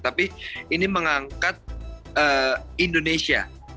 tapi ini mengangkat indonesia